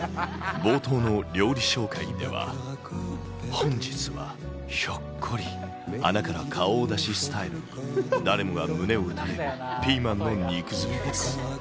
冒頭の料理紹介では、本日はひょっこり穴から顔を出しスタイルに誰もが胸を打たれるピーマンの肉詰めです。